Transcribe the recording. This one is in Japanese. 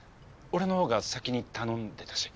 俺のほうが先に頼んでたし。